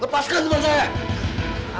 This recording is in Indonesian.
lepaskan teman saya